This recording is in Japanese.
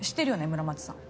村松さん。